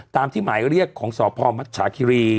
ตามที่หมายเรียกของสพมชาคิรี